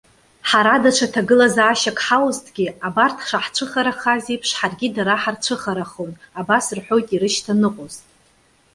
Ҳара даҽа ҭагылазаашьак ҳаузҭгьы, абарҭ шаҳцәыхарахаз еиԥш ҳаргьы дара ҳарцәыхарахон!- абас рҳәоит ирышьҭаныҟәоз.